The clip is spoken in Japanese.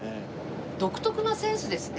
独特なセンスですね。